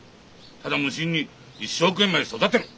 ただ無心に一生懸命育てる。